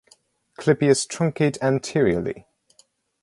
Clypeus truncate anteriorly.